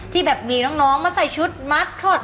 ที่แบบมีน้องมาใส่ชุดมัสคอต